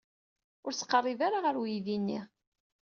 Ur ttqerrib ara ɣer uydi-nni.